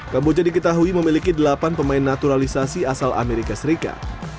kamboja diketahui memiliki delapan pemain naturalisasi asal amerika serikat